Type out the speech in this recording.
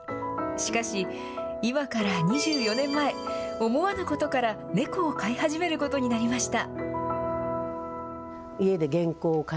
しかし、今から２４年前、思わぬことから猫を飼い始めることになりました。